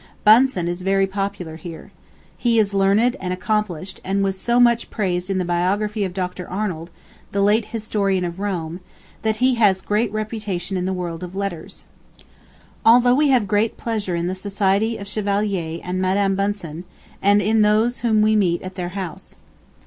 Bunsen is very popular here. He is learned and accomplished, and was so much praised in the Biography of Dr. Arnold, the late historian of Rome, that he has great reputation in the world of letters. ... Although we have great pleasure in the society of Chevalier and Madam Bunsen, and in those whom we meet at their house.